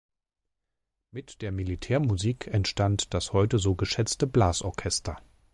Mit der Militärmusik entstand das heute so geschätzte Blasorchester.